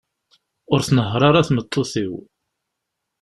Ur tnehher ara tmeṭṭut-iw.